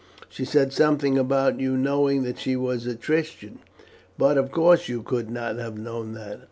She said something about your knowing that she was a Christian. But, of course, you could not have known that."